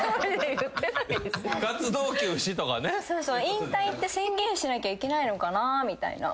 引退って宣言しなきゃいけないのかなみたいな。